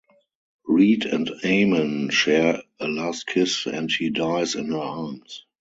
Reet and Aman share a last kiss and he dies in her arms.